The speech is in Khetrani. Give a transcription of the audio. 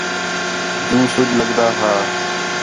جو سُڄ لُکدا ہا